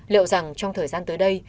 liệu rằng trong thời gian tới đây